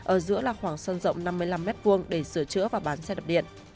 ở giữa là khoảng sân rộng năm mươi năm m hai để sửa chữa và bán xe đạp điện